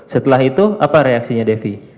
setelah itu apa reaksinya devi